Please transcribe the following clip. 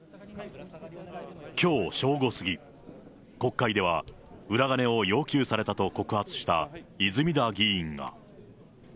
きょう正午過ぎ、国会では裏金を要求されたと告発した泉田議員が。